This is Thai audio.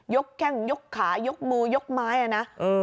ยกแค่งยกขายกมือยกไม้อ่ะน่ะอืม